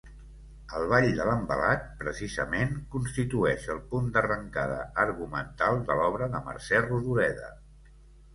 El ball de l'envelat, precisament, constitueix el punt d'arrancada argumental de l'obra de Mercè Rodoreda.